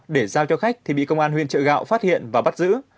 để giao cho khách thì bị công an huyện trợ gạo phát hiện và bắt giữ